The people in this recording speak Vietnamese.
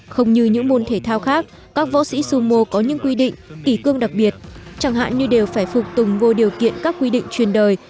không như những môn thể thao khác các võ sĩ summo có những quy định kỷ cương đặc biệt chẳng hạn như đều phải phục tùng vô điều kiện các quy định truyền đời